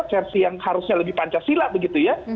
versi yang harusnya lebih pancasila begitu ya